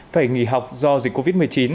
phải nghỉ học do dịch covid một mươi chín